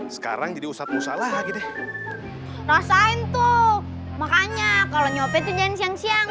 sekarang jadi usap musalah gede rasain tuh makanya kalau nyopet jangan siang siang